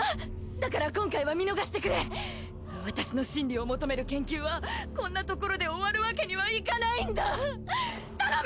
だから今回は見逃してくれ私の真理を求める研究はこんなところで終わるわけにはいかないんだ頼む